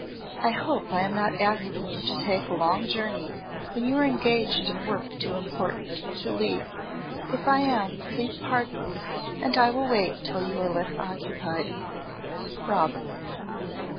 I hope I am not asking you to take a long journey when you are engaged in work too important to leave. If I am please pardon me, and I will wait until you are less occupied. "Robin."